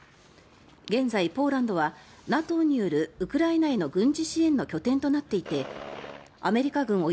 現在、ポーランドはＮＡＴＯによるウクライナへの軍事支援の拠点となっていてアメリカ軍